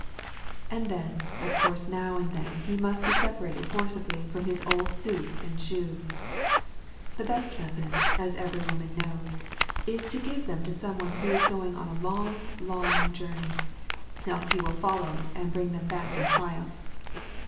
And then of course now and then he must be separated forcibly from his old suits and shoes. The best method, as every woman knows, is to give them to someone who is going on a long, long journey, else he will follow and bring them back in triumph.